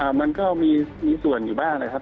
มันก็มีส่วนอยู่บ้างนะครับ